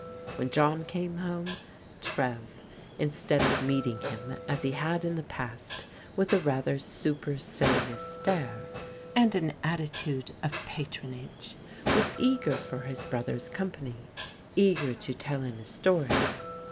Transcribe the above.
When John came home, Trev, instead of meeting him as he had in the past, with a rather supercilious stare, and an attitude of patronage, was eager for his brother's com pany, eager to tell him his story.